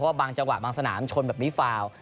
เพราะว่าบางจังหวะบางศาสตร์มันชนแบบมิฟาว